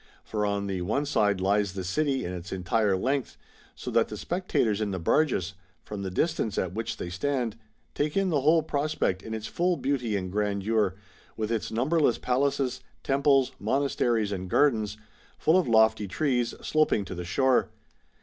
For on the one side lies the city in its entire length, so that the spectators in the barges, from the distance at which they stand, take in the whole prospect in its full beauty and grandeur, with its numberless palaces, temples, monasteries, and gardens, full of lofty trees, sloping to the shore.